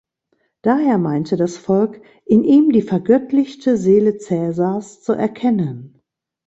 Daher meinte das Volk in ihm die vergöttlichte Seele Caesars zu erkennen.